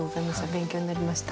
勉強になりました。